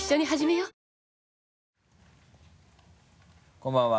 こんばんは。